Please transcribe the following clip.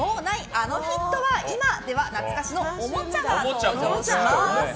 あのヒットは今懐かしのおもちゃが登場します。